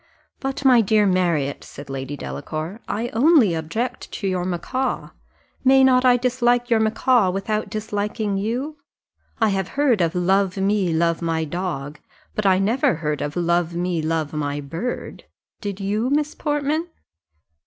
"But, my dear Marriott," said Lady Delacour, "I only object to your macaw may not I dislike your macaw without disliking you? I have heard of 'love me, love my dog;' but I never heard of 'love me, love my bird' did you, Miss Portman?"